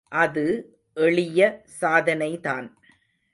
அது எளிய சாதனைதான்.